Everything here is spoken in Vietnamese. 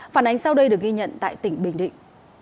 phản ánh sau đây được ghi nhận tại tỉnh bình định